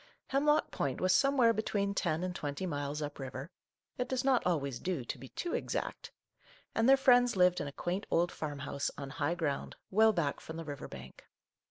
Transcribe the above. Hemlock Point was somewhere between ten and twenty miles up river, — it does not always do to be too exact, — and their friends lived in a quaint old farmhouse, on high ground, well back from the river bank.